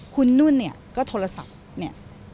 คุณนุ่นเนี่ยก็โทรศัพท์เนี่ย